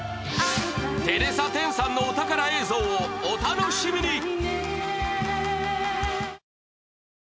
テレサ・テンさんのお宝映像をお楽しみに。